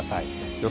予想